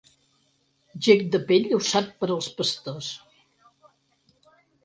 Gec de pell usat pels pastors.